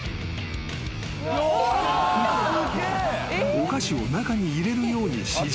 ［お菓子を中に入れるように指示］